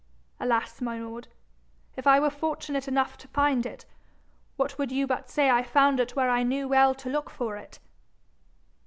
'Alas, my lord! if I were fortunate enough to find it, what would you but say I found it where I knew well to look for it?'